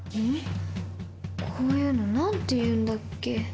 こういうの何ていうんだっけ？